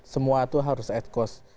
semua itu harus at cost